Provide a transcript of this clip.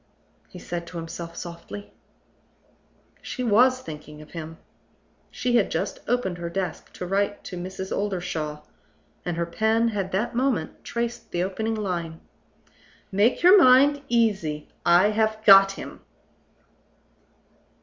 he said to himself softly. She was thinking of him. She had just opened her desk to write to Mrs. Oldershaw; and her pen had that moment traced the opening line: "Make your mind easy. I have got him!"